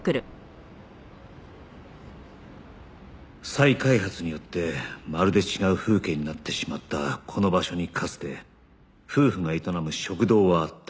再開発によってまるで違う風景になってしまったこの場所にかつて夫婦が営む食堂はあった